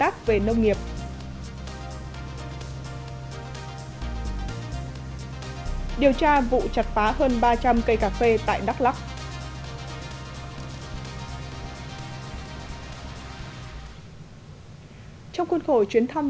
trong khuôn khổ chuyến thăm